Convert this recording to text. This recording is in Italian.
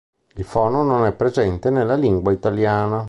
Il fono non è presente nella lingua italiana.